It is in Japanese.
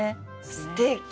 すてき！